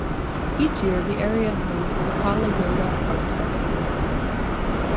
Each year, the area hosts the Kala Ghoda Arts Festival.